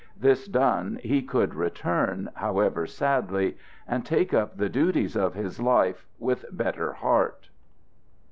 This done, he could return, however sadly, and take up the duties of his life with better heart.